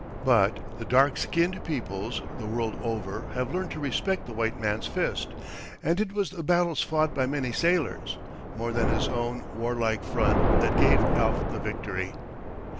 But the dark skinned peoples, the world over, have learned to respect the white man's fist; and it was the battles fought by many sailors, more than his own warlike front, that gave Alf the victory.